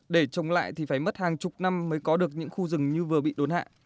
để trồng lại thì phải mất hàng chục năm mới có được những khu rừng như vừa bị đốn hạ